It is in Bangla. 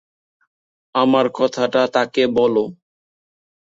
আমার কথাটা তাকে বলো।